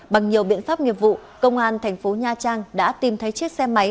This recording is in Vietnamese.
bằng nhiều biện pháp nghiệp vụ công an thành phố nha trang đã tìm thấy chiếc xe máy